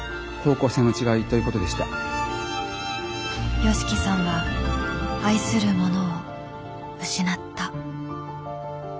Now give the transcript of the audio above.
ＹＯＳＨＩＫＩさんは愛するものを失った。